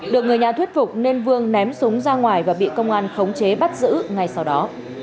được người nhà thuyết phục nên vương ném súng ra ngoài và bị công an khống chế bắt giữ ngay sau đó